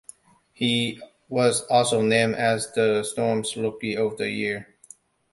He was also named as the Storm's rookie of the year.